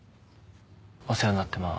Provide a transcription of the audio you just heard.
お世話になってまーす。